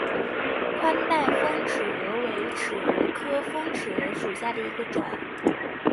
宽带峰尺蛾为尺蛾科峰尺蛾属下的一个种。